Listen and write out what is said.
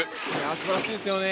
素晴らしいですよね。